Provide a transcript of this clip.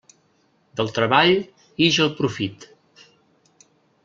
Del treball ix el profit.